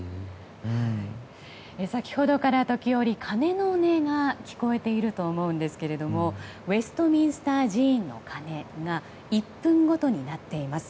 先ほどから時折、鐘の音が聞こえていると思いますがウェストミンスター寺院の鐘が１分ごとに鳴っています。